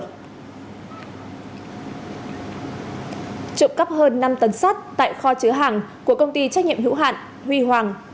trộm cắp hơn năm tấn sắt tại kho chứa hàng của công ty trách nhiệm hữu hạn huy hoàng